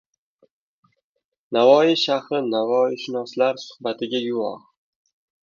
Navoiy shahri navoiyshunoslar suhbatiga guvoh